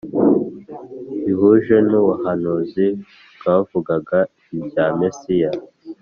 bihuje n ubuhanuzi bwavugaga ibya Mesiya